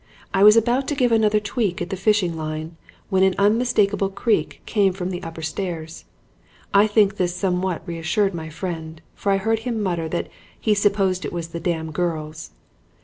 I was about to give another tweak at the fishing line when an unmistakable creak came from the upper stairs. I think this somewhat reassured my friend, for I heard him mutter that 'he supposed it was them dam girls.'